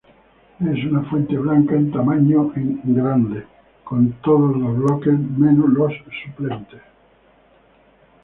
Es una fuente blanca en tamaños grandes, con todos los bloques, menos los suplentes.